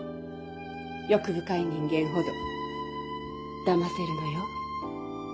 欲深い人間ほどだませるのよ